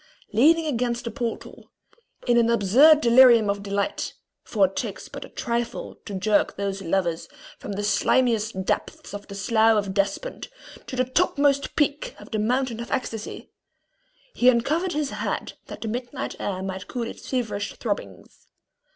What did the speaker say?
Leaning against the portal, in an absurd delirium of delight for it takes but a trifle to jerk those lovers from the slimiest depths of the Slough of Despond to the topmost peak of the mountain of ecstasy he uncovered his head that the night air might cool its feverish throbbings.